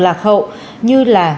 lạc hậu như là